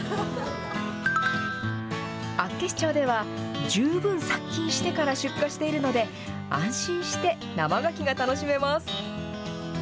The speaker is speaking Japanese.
厚岸町では、十分殺菌してから出荷しているので、安心して生ガキが楽しめます。